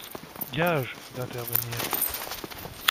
Gage, d'intervenir.